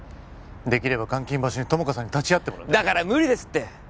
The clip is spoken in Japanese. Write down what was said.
できれば監禁場所に友果さんに立ち会ってもらってだから無理ですって！